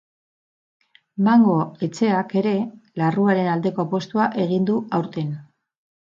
Mango etxeak ere larruaren aldeko apustua egin du aurten.